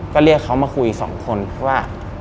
ก็เรียกเขามาคุย๒คนว่า